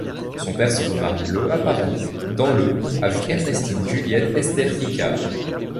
Son père se remarie le à Paris dans le avec Ernestine Juliette Esther Piquard.